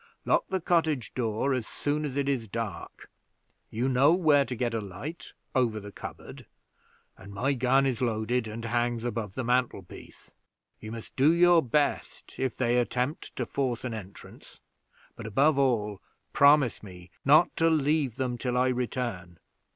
Lock the cottage door as soon as it is dark. You know where to get a light, over the cupboard; and my gun is loaded, and hangs above the mantlepiece. You must do your best if they attempt to force an entrance; but above all, promise me not to leave them till I return.